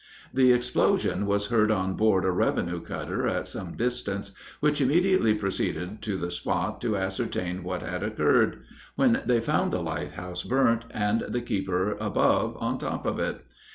The explosion was heard on board a revenue cutter at some distance, which immediately proceeded to the spot to ascertain what had occurred, when they found the lighthouse burnt, and the keeper above, on top of it.